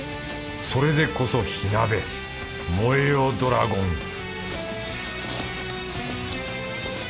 それでこそ火鍋燃えよドラゴン！